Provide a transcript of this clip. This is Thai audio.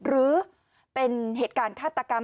หรือเป็นเหตุการณ์ฆาตกรรม